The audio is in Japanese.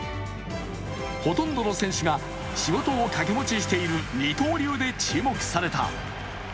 ほとんどの選手が仕事を掛け持ちしている二刀流で注目された。